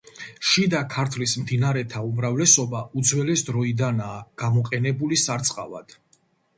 შიდა ქართლის მდინარეთა უმრავლესობა უძველეს დროიდანაა გამოყენებული სარწყავად.